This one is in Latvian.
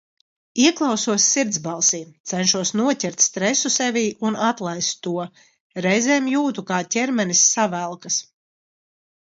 Ieklausos sirdsbalsī, cenšos noķert stresu sevī un atlaist to, reizēm jūtu, kā ķermenis savelkas.